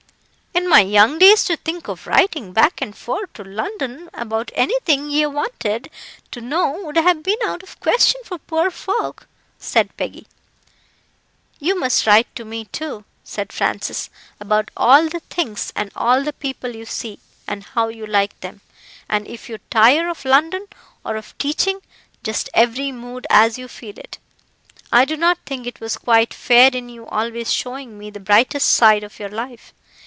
In my young days, to think of writing back and fore to London about anything ye wanted to know would have been out of the question for poor folk," said Peggy. "You must write to me, too," said Francis, "about all the things and all the people you see, and how you like them, and if you tire of London or of teaching just every mood as you feel it. I do not think it was quite fair in you always showing me the brightest side of your life.